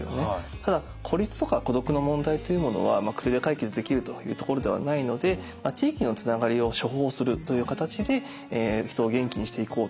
ただ孤立とか孤独の問題というものは薬で解決できるというところではないので地域のつながりを「処方」するという形で人を元気にしていこうと。